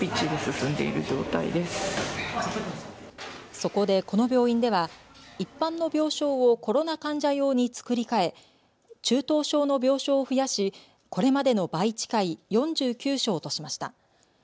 そこで、この病院では一般の病床をコロナ患者用に作り替え中等症の病床を増やしこれまでの倍近い４９床としました。